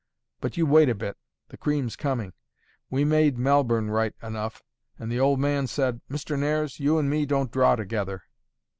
But you wait a bit; the cream's coming. We made Melbourne right enough, and the old man said: 'Mr. Nares, you and me don't draw together.